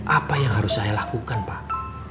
apa yang harus saya lakukan pak